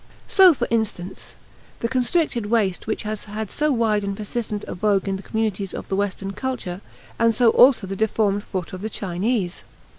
So, for instance, the constricted waist which has had so wide and persistent a vogue in the communities of the Western culture, and so also the deformed foot of the Chinese.